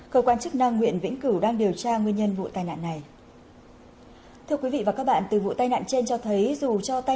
cơ quan chức năng huyện vĩnh cửu đang điều tra nguyên nhân vụ tai nạn này